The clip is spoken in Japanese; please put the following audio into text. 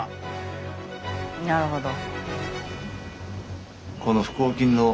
なるほど。